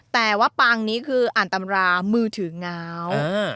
แต่ว่าปางนี้คืออ่านตำรามือถือง้าว